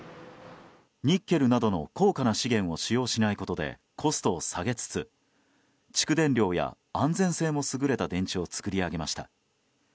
ニッケルなどの高価な資源を使用しないことでコストを下げつつ蓄電量や安全性も優れた電池を作り上げました。